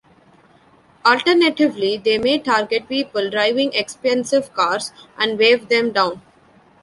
Alternatively, they may target people driving expensive cars and wave them down.